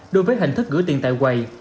đối với hình thức gửi tiền tại quầy